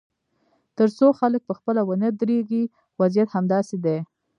تر څو خلک پخپله ونه درېږي، وضعیت همداسې دی.